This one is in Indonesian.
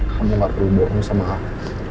kamu gak perlu bohong sama aku